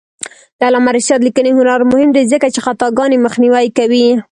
د علامه رشاد لیکنی هنر مهم دی ځکه چې خطاګانې مخنیوی کوي.